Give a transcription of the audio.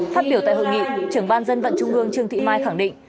phát biểu tại hội nghị trưởng ban dân vận trung ương trương thị mai khẳng định